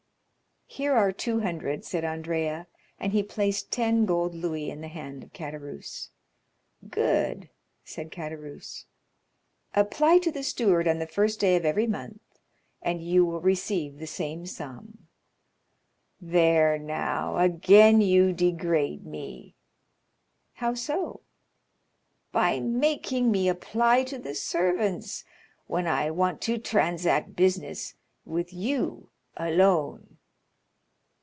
"Here are two hundred," said Andrea; and he placed ten gold louis in the hand of Caderousse. 30233m "Good!" said Caderousse. "Apply to the steward on the first day of every month, and you will receive the same sum." "There now, again you degrade me." "How so?" "By making me apply to the servants, when I want to transact business with you alone."